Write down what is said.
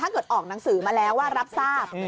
เกิดออกหนังสือมาแล้วว่ารับทราบ